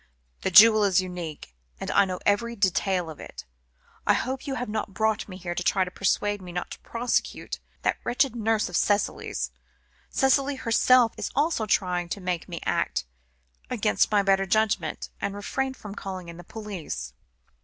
"The jewel is unique, and I know every detail of it. I hope you have not brought me here to try to persuade me not to prosecute that wretched nurse of Cicely's. Cicely herself is also trying to make me act against my better judgment, and refrain from calling in the police."